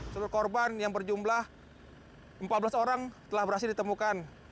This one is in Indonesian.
seluruh korban yang berjumlah empat belas orang telah berhasil ditemukan